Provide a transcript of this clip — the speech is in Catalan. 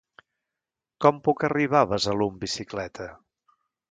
Com puc arribar a Besalú amb bicicleta?